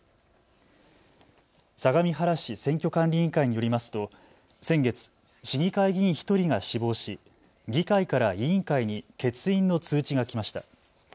相模原市選挙管理委員会によりますと先月、市議会議員１人が死亡し議会から委員会に欠員の通知が来ました。